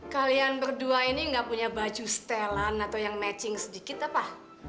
kalian berdua ini nggak punya baju setelan atau yang matching sedikit apa